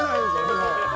日本。